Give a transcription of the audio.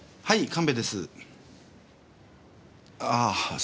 はい？